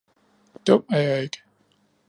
Dum er jeg ikke!